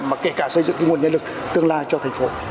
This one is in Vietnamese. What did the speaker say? mà kể cả xây dựng nguồn nhân lực tương lai cho thành phố